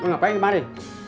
lo ngapain kemari